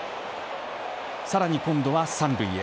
さらに、今度は３塁へ。